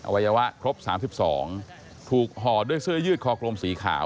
วัยวะครบ๓๒ถูกห่อด้วยเสื้อยืดคอกลมสีขาว